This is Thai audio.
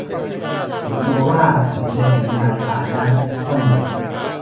ฉันกลัวว่าฉันจะเห็นนายผ่านนะ พ่อหนุ่ม